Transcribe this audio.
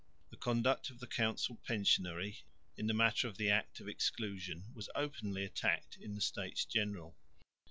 The conduct of the council pensionary in the matter of the Act of Exclusion was openly attacked in the States General.